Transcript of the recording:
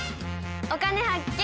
「お金発見」。